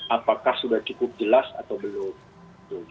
apakah sudah cukup jelas atau belum